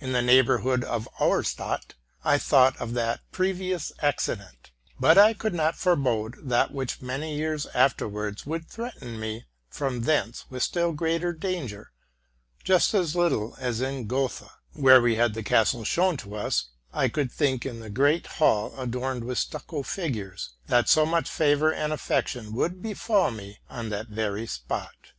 In the neighborhood of Auerstadt I thought of that previous accident ; but I could not forebode that which many years afterwards would threaten me from thence with still greater danger, just as little as in Gotha, where we had the castle shown to us, I could think in the great hall adorned with stucco figures, that so much favor and affection would befall me on that very spot.